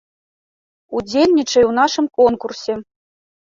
Удзельнічай у нашым конкурсе!